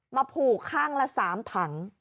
ผูกข้างละ๓ถัง